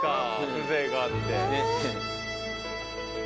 風情があって。